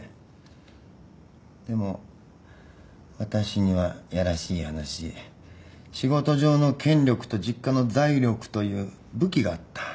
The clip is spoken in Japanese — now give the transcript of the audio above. でも私にはいやらしい話仕事上の権力と実家の財力という武器があった。